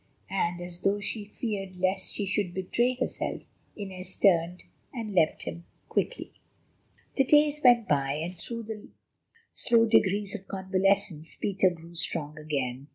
And as though she feared lest she should betray herself, Inez turned and left him quickly. The days went by, and through the slow degrees of convalescence Peter grew strong again.